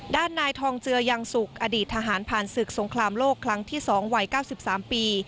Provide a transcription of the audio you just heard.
ด้านนายทองเจือยังสุกอดีตทหารผ่านศึกสงครามโลกครั้งที่๒วัย๙๓ปี